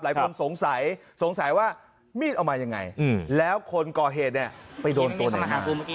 หลายคนสงสัยสงสัยว่ามีดเอามายังไงแล้วคนก่อเหตุเนี่ยไปโดนตัวไหน